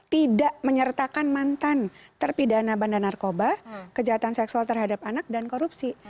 tidak menyertakan mantan terpidana bandar narkoba kejahatan seksual terhadap anak dan korupsi